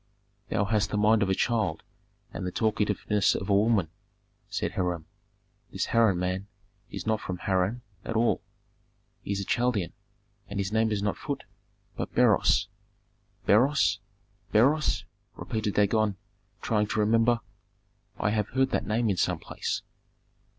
"Thou hast the mind of a child and the talkativeness of a woman," said Hiram. "This Harran man is not from Harran at all. He is a Chaldean, and his name is not Phut, but Beroes " "Beroes? Beroes?" repeated Dagon, trying to remember. "I have heard that name in some place."